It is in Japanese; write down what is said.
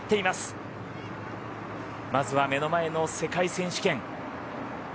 まずは目の前の世界選手権。